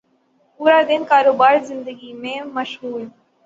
پورا دن کاروبار زندگی میں مشغول